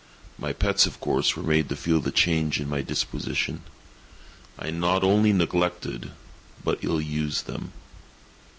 My pets, of course, were made to feel the change in my disposition. I not only neglected, but ill used them.